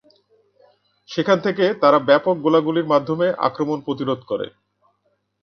সেখান থেকে তারা ব্যাপক গোলাগুলির মাধ্যমে আক্রমণ প্রতিরোধ করে।